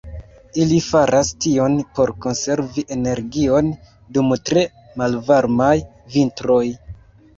Ili faras tion por konservi energion dum tre malvarmaj vintroj.